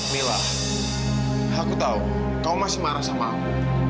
mila aku tahu kau masih marah sama aku